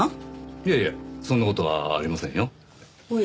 いやいやそんな事はありませんよ。